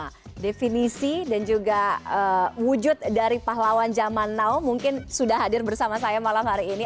bagaimana definisi dan juga wujud dari pahlawan zaman now mungkin sudah hadir bersama saya malam hari ini